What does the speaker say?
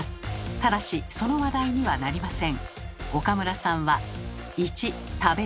ただしその話題にはなりません。